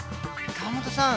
河本さん